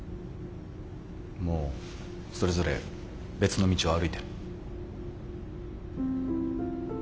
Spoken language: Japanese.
もうそれぞれ別の道を歩いてる。